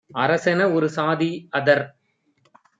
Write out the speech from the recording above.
அரசென ஒரு சாதி - அதற்